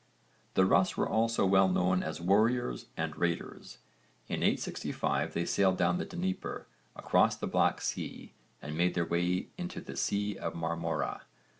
The Rus were also well known as warriors and raiders. In 865 they sailed down the Dnieper, across the Black Sea and made their way into the Sea of Marmora.